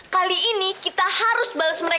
kali ini kita harus bales si hanyun